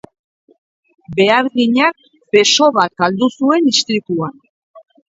Beharginak beso bat galdu zuen istripuan.